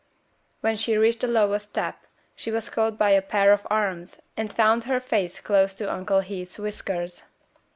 When she reached the lowest step she was caught up by a pair of arms, and found her face close to her Uncle Heath's whiskers.